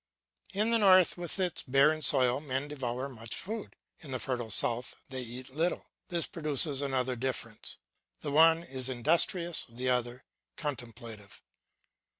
In the north with its barren soil men devour much food, in the fertile south they eat little. This produces another difference: the one is industrious, the other contemplative.